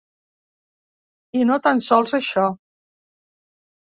I no tan sols això.